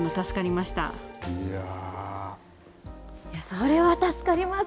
それは助かります。